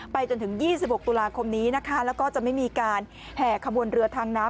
จนถึง๒๖ตุลาคมนี้นะคะแล้วก็จะไม่มีการแห่ขบวนเรือทางน้ำ